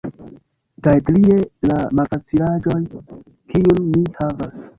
Kaj trie, la malfacilaĵoj, kiun mi havas.